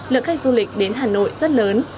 lượng khách du lịch đến hà nội rất lớn